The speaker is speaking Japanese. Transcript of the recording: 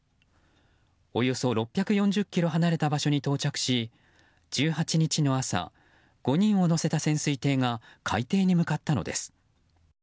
およそ６４０ｋｍ離れた場所に到着し１８日の朝５人を乗せた潜水艇が海底に向かったのです。